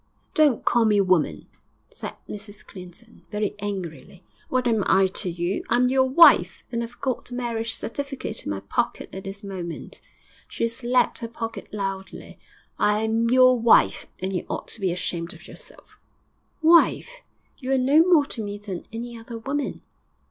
'Don't call me woman!' said Mrs Clinton, very angrily. 'What am I to you? I'm your wife, and I've got the marriage certificate in my pocket at this moment.' She slapped her pocket loudly. 'I'm your wife, and you ought to be ashamed of yourself.' 'Wife! You are no more to me than any other woman!'